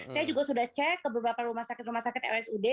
saya juga sudah cek ke beberapa rumah sakit rumah sakit rsud